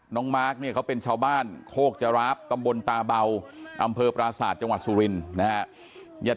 น้องมาร์คเขาเป็นชาวบ้านโคนค์จราบตำบลตาเบาอำเภอประสาทจังหวัดสามแหละ